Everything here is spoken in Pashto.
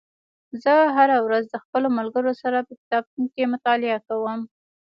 زه هره ورځ د خپلو ملګرو سره په کتابتون کې مطالعه کوم